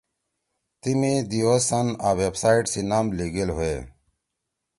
تی می دی او سن آں ویب سائٹ سی نام لیگیل ہویے۔